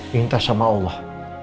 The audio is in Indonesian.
minta sama allah